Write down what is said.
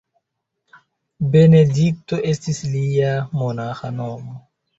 Benedikto estis lia monaĥa nomo.